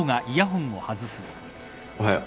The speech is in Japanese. おはよう。